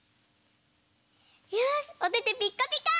よしおててピッカピカ！